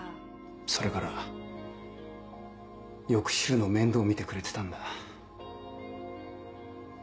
それからよく柊の面倒を見てくれてたんだ。